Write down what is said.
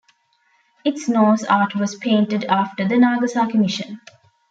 Its nose art was painted after the Nagasaki mission.